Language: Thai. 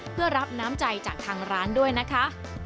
เพื่อรับน้ำใจจากทางร้านด้วยนะคะ